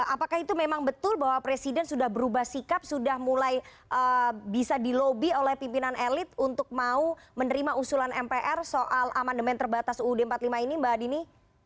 apakah itu memang betul bahwa presiden sudah berubah sikap sudah mulai bisa dilobi oleh pimpinan elit untuk mau menerima usulan mpr soal amandemen terbatas uud empat puluh lima ini mbak dini